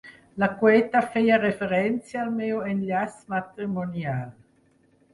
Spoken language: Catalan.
La cueta feia referència al meu enllaç matrimonial.